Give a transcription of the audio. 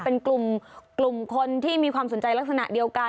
เป็นกลุ่มคนที่มีความสนใจลักษณะเดียวกัน